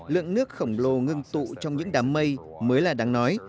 lượng nước khổng lồ ngưng tụ trong những đám mây mới là đáng nói